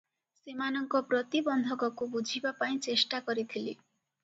ସେମାନଙ୍କ ପ୍ରତିବନ୍ଧକକୁ ବୁଝିବା ପାଇଁ ଚେଷ୍ଟାକରିଥିଲି ।